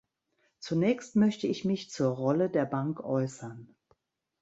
Zunächst möchte ich mich zur Rolle der Bank äußern.